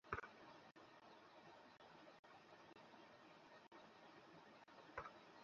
অনেক আন্দোলন-সংগ্রাম শেষে পাওনা টাকা পেলেও শ্রমিকদের মুখে হাসি দেখা যায়নি।